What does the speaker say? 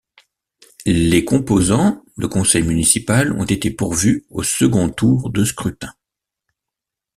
Les composant le conseil municipal ont été pourvus au second tour de scrutin.